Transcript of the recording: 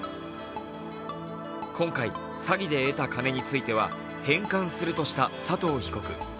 今回、詐欺で得た金については返還するとした佐藤被告。